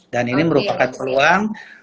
dan ini merupakan peluang